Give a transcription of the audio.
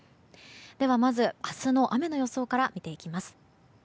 ではまず、明日の雨の予想から見ていきます。